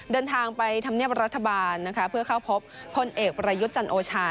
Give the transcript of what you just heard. เดินทางไปทำเนียบรัฐบาลนะคะเพื่อเข้าพบพลเอกประยุทธ์จันโอชา